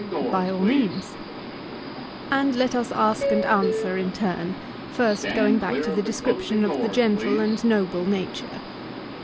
By all means. And let us ask and answer in turn, first going back to the description of the gentle and noble nature.